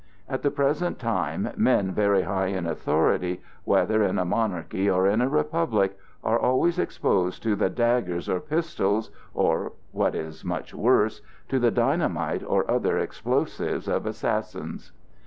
At the present time men very high in authority, whether in a monarchy or in a republic, are always exposed to the daggers or pistols or—what is much worse—to the dynamite or other explosives of assassins.